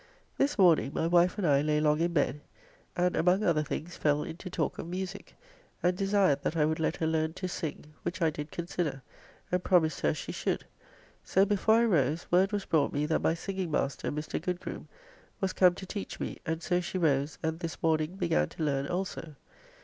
This morning my wife and I lay long in bed, and among other things fell into talk of musique, and desired that I would let her learn to sing, which I did consider, and promised her she should. So before I rose, word was brought me that my singing master, Mr. Goodgroome, was come to teach me and so she rose and this morning began to learn also.